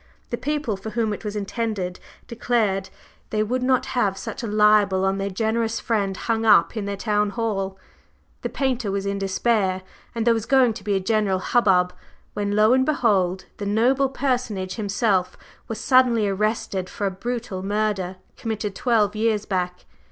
The people for whom it was intended declared they would not have such a libel on their generous friend hung up in their town hall. The painter was in despair, and there was going to be a general hubbub, when, lo and behold the 'noble' personage himself was suddenly arrested for a brutal murder committed twelve years back.